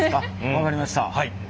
分かりました。